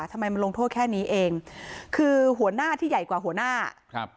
ทำไมมันลงโทษแค่นี้เองคือหัวหน้าที่ใหญ่กว่าหัวหน้าครับ